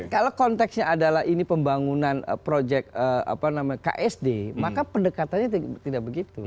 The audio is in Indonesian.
kalau konteksnya adalah ini pembangunan proyek ksd maka pendekatannya tidak begitu